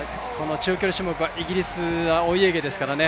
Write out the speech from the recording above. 長距離種目はイギリスはお家芸ですからね。